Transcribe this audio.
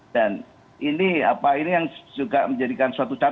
dan ini apa ini yang juga menjadikan suatu catatan